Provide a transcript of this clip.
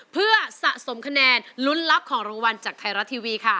เพื่อสะสมคะแนนลุ้นรับของรางวัลจากไทยรัฐทีวีค่ะ